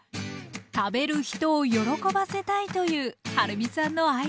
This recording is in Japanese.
「食べる人を喜ばせたい！」というはるみさんのアイデアです。